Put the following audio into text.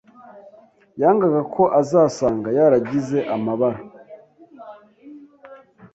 Yangaga ko azasanga yaragize amabara